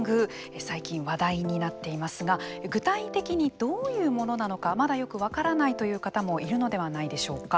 最近話題になっていますが具体的にどういうものなのかまだよく分からないという方もいるのではないでしょうか。